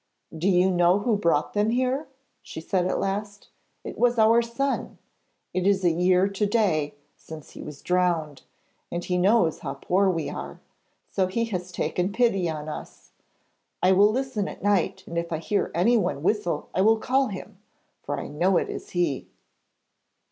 'Do you know who brought them here?' she said at last? 'It was our son; it is a year to day since he was drowned, and he knows how poor we are, so he has taken pity on us. I will listen at night, and if I hear anyone whistle I will call him; for I know it is he.'